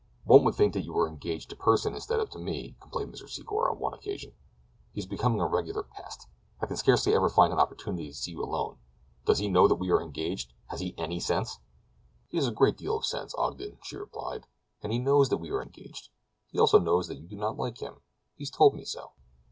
"One would think that you were engaged to Pursen instead of to me," complained Mr. Secor on one occasion. "He is becoming a regular pest. I can scarcely ever find an opportunity to see you alone. Doesn't he know that we are engaged? Hasn't he any sense?" "He has a great deal of sense, Ogden," she replied, "and he knows that we are engaged. He also knows that you do not like him. He has told me so."